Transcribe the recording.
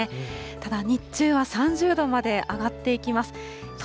ただ、日中は３０度まで上がっていきます。